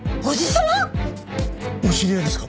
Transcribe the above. お知り合いですか？